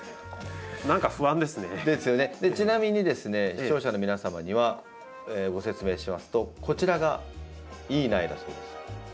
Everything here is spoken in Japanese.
視聴者の皆様にはご説明しますとこちらが良い苗だそうです。